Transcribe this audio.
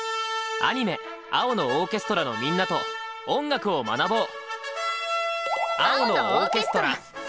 アニメ「青のオーケストラ」のみんなと音楽を学ぼう！